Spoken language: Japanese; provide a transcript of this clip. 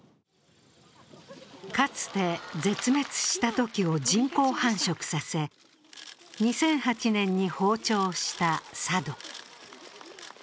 かつて絶滅したトキを人工繁殖させ２００８年に放鳥した佐渡。